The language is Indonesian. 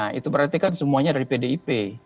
maka itu berarti kerjasamanya dari pdip